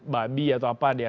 babi atau apa